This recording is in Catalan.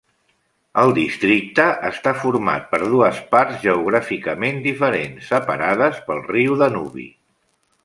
El districte està format per dues parts geogràficament diferents, separades pel riu Danubi.